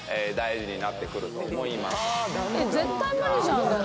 大事になってくると思います。